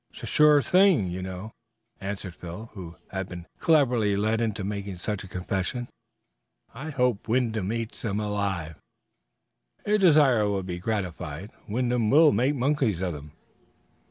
"Shu surest thing you know," answered Phil, who had been cleverly led into making such a confession. "I hope Wyndham eats them up alive!" "Your desire will be gratified. Wyndham will make monkeys of them."